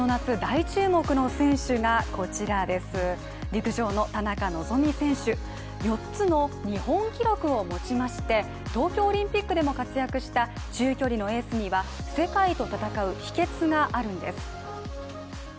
陸上の田中希実選手、４つの日本記録をもちまして、東京オリンピックでも活躍した中距離のエースには世界と戦う秘けつがあるんです。